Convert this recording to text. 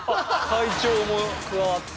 会長も加わって？